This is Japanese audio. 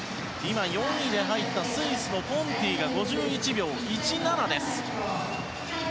４位に入ったスイスのポンティが５１秒１７です。